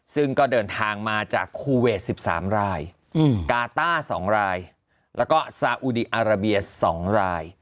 ซึ่งก็เดินทางมาจากคูเวท๑๓รายกาต้า๒รายแล้วก็ซาอุดีอาราเบีย๒ราย